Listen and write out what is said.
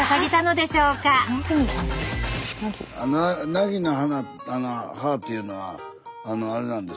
ナギの葉というのはあれなんですよ。